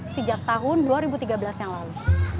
sejak tahun dua ribu tiga belas yang lalu